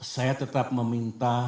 saya tetap meminta